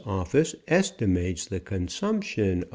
OFFICE.ESTIMATES.THE CONSUMPTION.